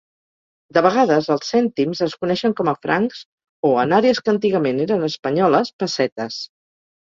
De vegades, els "cèntims" es coneixen com a francs o, en àrees que antigament eren espanyoles, "pessetes".